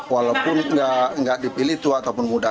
walaupun tidak dipilih tua atau muda